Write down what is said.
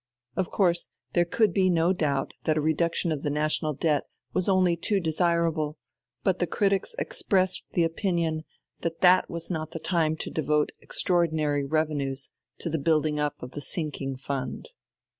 Of course there could be no doubt that a reduction of the National Debt was only too desirable; but the critics expressed the opinion that that was not the time to devote extraordinary revenues to the building up of the sinking fund.